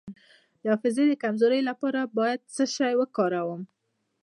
د حافظې د کمزوری لپاره باید څه شی وکاروم؟